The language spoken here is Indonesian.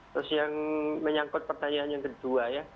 terus yang menyangkut pertanyaan yang kedua ya